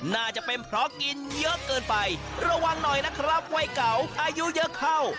น่าจะเป็นเพราะกินเยอะเกินไประวังหน่อยนะครับวัยเก่าอายุเยอะเข้า